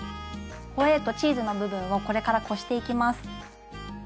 ホエーとチーズの部分をこれからこしていきます。